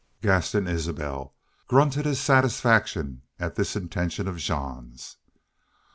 Gaston Isbel grunted his satisfaction at this intention of Jean's.